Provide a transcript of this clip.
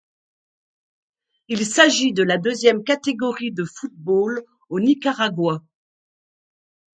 Il s'agit de la deuxième catégorie de football au Nicaragua.